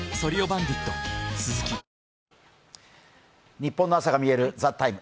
ニッポンの朝がみえる「ＴＨＥＴＩＭＥ，」